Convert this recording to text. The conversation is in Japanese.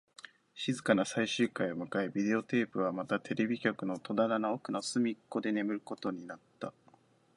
静かな最終回を迎え、ビデオテープはまたテレビ局の戸棚の奥の隅っこで眠ることになった